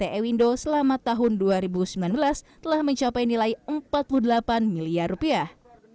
ewindo selama tahun dua ribu sembilan belas telah mencapai nilai empat puluh delapan miliar rupiah